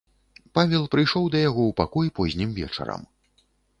Павел прыйшоў да яго ў пакой познім вечарам.